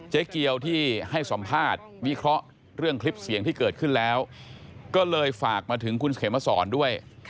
เจ๊เกียวที่ให้สัมภาษณ์วิเคราะห์เรื่องคลิปเสียงที่เกิดขึ้นแล้วก็เลยฝากมาถึงคุณเขมสรด้วย